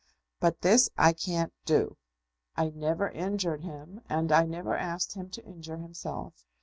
But this I can't do. I never injured him, and I never asked him to injure himself.